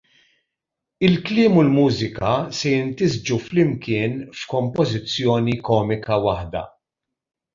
il-kliem u l-mużika se jintisġu flimkien f'kompożizzjoni komika waħda.